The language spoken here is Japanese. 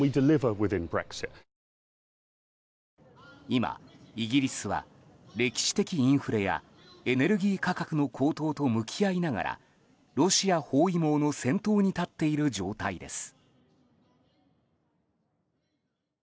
今、イギリスは歴史的インフレやエネルギー価格の高騰と向き合いながらロシア包囲網の先頭に立っている状態です。